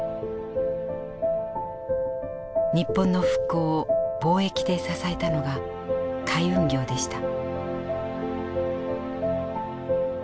日本の復興を貿易で支えたのが海運業でした。